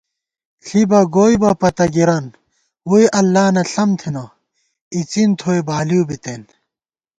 ݪِبہ گوئیبہ پتَہ گِرَن، ووئی اللہ نہ ݪم تھنہ، اِڅِن تھوئی بالِؤ بِتېن